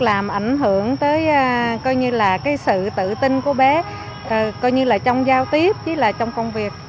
làm ảnh hưởng tới sự tự tin của bé coi như là trong giao tiếp với trong công việc